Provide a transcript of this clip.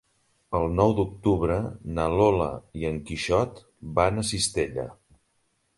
El nou d'octubre na Lola i en Quixot van a Cistella.